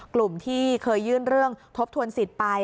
กลุ่มที่เคยยื่นเรื่องทบทวนสิทธิ์ไป